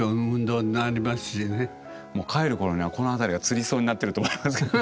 もう帰る頃にはこの辺りがつりそうになってると思いますけど。